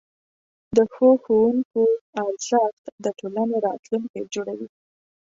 د ښو ښوونکو ارزښت د ټولنې راتلونکی جوړوي.